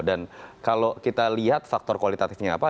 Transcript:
dan kalau kita lihat faktor kualitatifnya apa